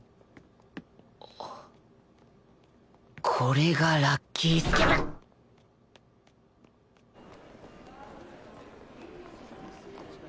これがラッキースケベッ！